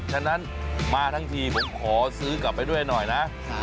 ฉะนั้นมาทั้งทีผมขอซื้อกลับไปด้วยหน่อยนะ